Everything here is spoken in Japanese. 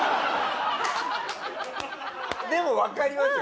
でもわかりますよ